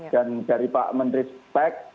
dan dari pak menteri spek